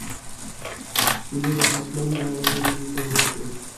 چیني به حتمي دا ویلي وي په زړه کې.